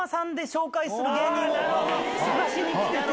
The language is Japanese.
探しに来てて。